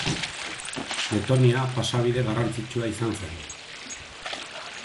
Letonia pasabide garrantzitsua izan zen.